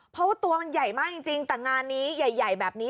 เพราะว่าตัวมันใหญ่มากจริงแต่งานนี้ใหญ่แบบนี้